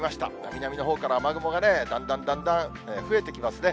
南のほうから雨雲がだんだんだんだん増えてきますね。